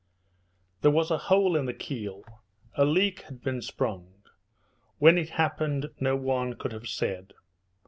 There was a hole in the keel. A leak had been sprung. When it happened no one could have said.